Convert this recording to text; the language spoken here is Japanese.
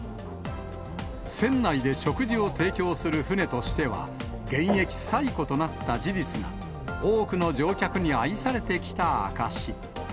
船内で食事を提供する船としては、現役最古となった事実が、多くの乗客に愛されてきた証し。